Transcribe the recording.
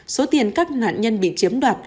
số tiền các nạn nhân bị chiếm đoạt